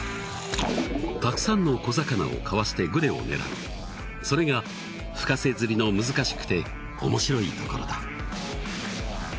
たくさんの小魚をかわしてグレを狙うそれがフカセ釣りの難しくておもしろいところだ